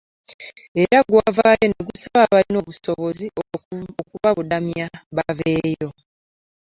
Era gwavaayo ne gusaba abalina obusobozi okubabudamya baveeyo